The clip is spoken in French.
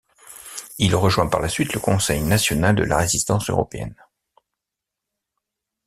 Il rejoint par la suite le Conseil national de la résistance européenne.